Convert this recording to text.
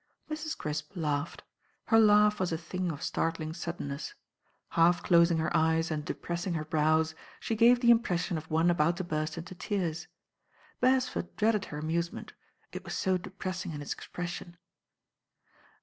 Mrs. Crisp laughed. Her laugh was a thing of startling suddenness. Half closing her eyes and de pressing her brows, she gave the impression of one about to burst into tears. Beresford dreaded her amusement; it was so depressing in its expression.